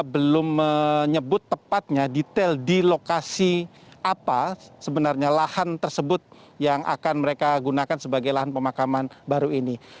belum menyebut tepatnya detail di lokasi apa sebenarnya lahan tersebut yang akan mereka gunakan sebagai lahan pemakaman baru ini